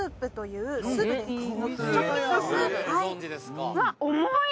うわっ重い！